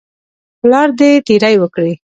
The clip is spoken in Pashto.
پلار دې تیری وکړي.